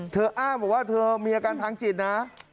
เธออ้ามว่าเธอมีอาการทางจิตนะ